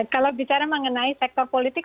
kalau bicara mengenai sektor politik